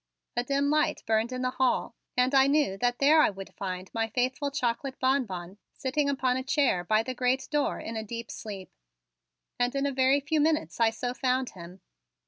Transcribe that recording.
A dim light burned in the hall and I knew that there I would find my faithful chocolate Bonbon sitting upon a chair by the great door in a deep sleep. And in a very few minutes I so found him.